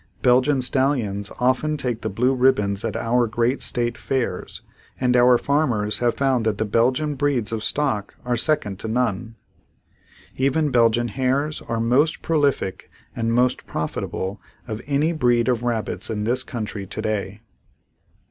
Belgian stallions often take the blue ribbons at our great state fairs and our farmers have found that the Belgian breeds of stock are second to none. Even Belgian hares are most prolific and most profitable of any breed of rabbits in this country today.